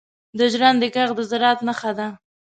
• د ژرندې ږغ د زراعت نښه ده.